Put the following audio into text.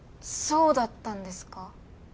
そうだったんですか？